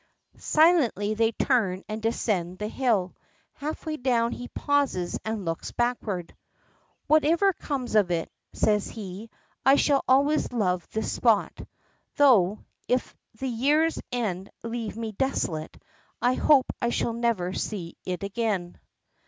Silently they turn and descend the hill. Halfway down he pauses and looks backward. "Whatever comes of it," says he, "I shall always love this spot. Though, if the year's end leave me desolate, I hope I shall never see it again."